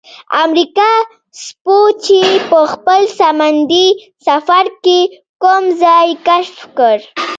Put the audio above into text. امریکا سپوچي په خپل سمندي سفر کې کوم ځای کشف کړ؟